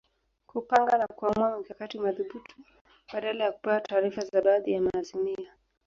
Kupanga na kuamua mikakati madhubuti badala ya kupewa taarifa za baadhi ya maazimio